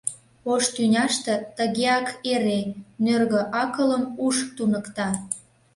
Ош тӱняште тыгеак эре: Нӧргӧ акылым уш туныкта.